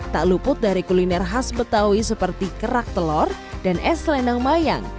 tak luput dari kuliner khas betawi seperti kerak telur dan es selendang mayang